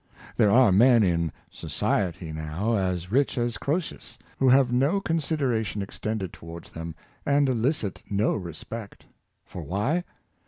There are men in " society " now, as rich as Croesus, who have no consideration extended towards them, and elicit no respect. For why.